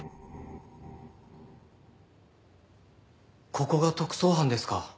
ここが特捜班ですか。